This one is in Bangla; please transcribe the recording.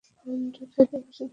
মহেন্দ্র খাইতে বসিল।